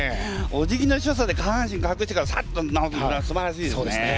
おじぎの所作で下半身かくしてからサッと直すすばらしいですね。